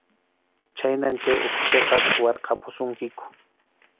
Khaynan chay ukhupiqa suwarqapusunkiku.